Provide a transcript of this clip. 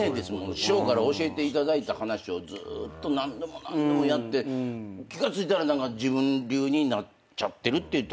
師匠から教えていただいた話をずーっと何度も何度もやって気が付いたら自分流になっちゃってるっていうところ。